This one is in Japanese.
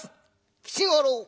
「吉五郎。